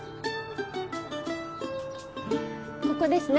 ここですね